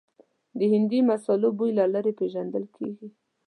د هندي مسالو بوی له لرې پېژندل کېږي.